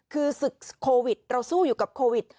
คือศึกโควิดเราสู้อยู่กับโควิด